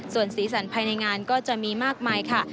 ส่วนสีสันภายในงานก็จะมีมากมายค่ะ